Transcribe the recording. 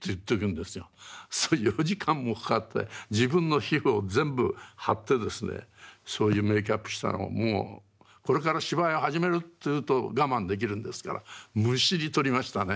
それ４時間もかかって自分の皮膚を全部貼ってですねそういうメーキャップしたらもうこれから芝居を始めるっていうと我慢できるんですからむしり取りましたね。